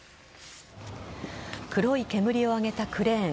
黒い煙を上げたクレーン。